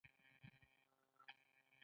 د نولسمې پیړۍ په لومړیو کې کانالونه جوړ شول.